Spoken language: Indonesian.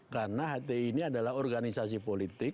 karena hti ini adalah organisasi politik